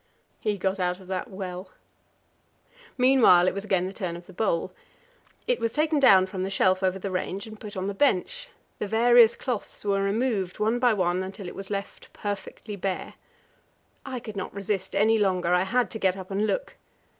He got out of that well. Meanwhile it was again the turn of the bowl. It was taken down from the shelf over the range and put on the bench; the various cloths were removed one by one until it was left perfectly bare. I could not resist any longer; I had to get up and look.